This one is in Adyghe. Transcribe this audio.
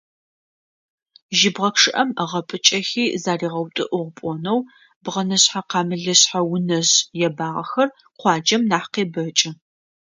Жьыбгъэ чъыӀэм ыгъэпӀыкӀэхи заригъэутӀыӀугъ пloнэу, бгъэнышъхьэ-къамылышъхьэ унэжъ ебагъэхэр къуаджэм нахь къебэкӀы.